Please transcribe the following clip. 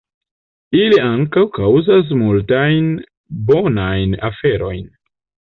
Ili ankaŭ kaŭzas multajn bonajn aferojn.